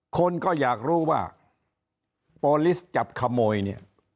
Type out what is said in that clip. คนก็อยากรู้ว่าโปรลิสจับขโมยเนี่ย